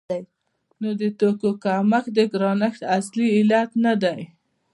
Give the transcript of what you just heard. نو د توکو کمښت د ګرانښت اصلي علت نه دی.